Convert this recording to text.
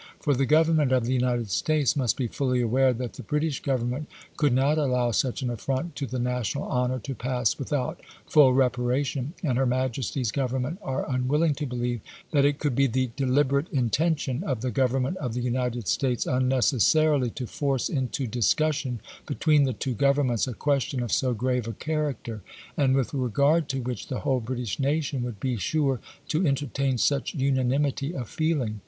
For the Government of the United States must be fully aware that the British Government could not allow such an affront to the national honor to pass without full reparation, and her Majesty's Govern ment are unwilling to believe that it could be the deliber ate intention of the Government of the United States unnecessarily to force into discussion between the two Governments a question of so grave a character, and with regard to which the whole British nation would be sure to entertain such unanimity of feeling.